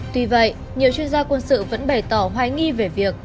tuy vậy nhiều chuyên gia quân sự vẫn bày tỏ hoài nghi về việc